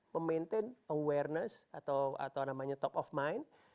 pemaintain awareness atau namanya top of mind